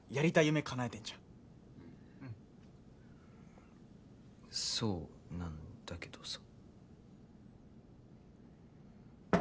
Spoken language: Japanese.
夢かなえてんじゃんそうなんだけどさ